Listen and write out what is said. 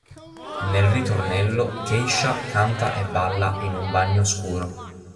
Nel ritornello, Keisha canta e balla in un bagno scuro.